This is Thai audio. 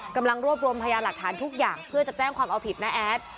กำลังรวบรวมพยาหลักฐานทุกอย่างเพื่อจะแจ้งความเอาผิดน้าแอด